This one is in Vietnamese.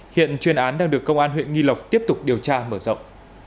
hiện chuyên án đang được công an huyện nghi lộc tiếp tục điều tra mở rộng